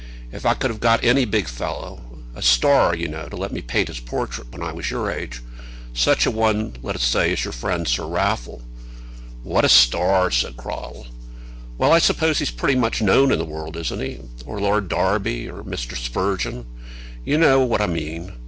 If I could have got any big fellow, a star, you know, to let me paint his portrait when I was your age, such a one, let us say, as your friend Sir Raffle " "What a star!" said Cradell. "Well, I suppose he's pretty much known in the world, isn't he? Or Lord Derby, or Mr. Spurgeon. You know what I mean.